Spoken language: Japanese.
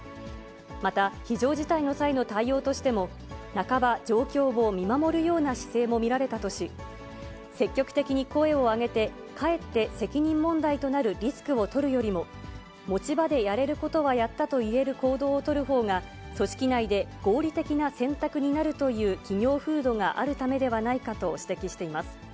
また、非常事態の際の対応としても、半ば、状況を見守るような姿勢も見られたとし、積極的に声を上げて、かえって責任問題となるリスクを取るよりも、持ち場でやれることはやったといえる行動を取るほうが、組織内で合理的な選択になるという、企業風土があるためではないかと指摘しています。